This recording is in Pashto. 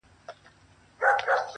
چي پر ستوني به یې زور وکړ یو نوکی؛